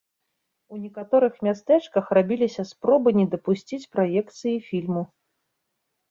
У некаторых мястэчках рабіліся спробы не дапусціць праекцыі фільму.